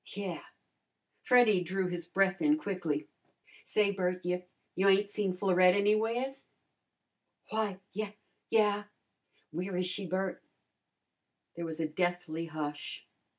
"Yeah." Freddy drew his breath in quickly. "Say, Bert, you you ain't seen Florette anywheres?" "Why, ye yeah." "Where is she, Bert?" There was a deathly hush.